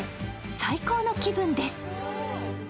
最高の気分です。